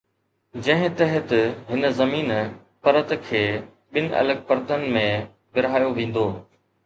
جنهن تحت هن زميني پرت کي ٻن الڳ پرتن ۾ ورهايو ويندو.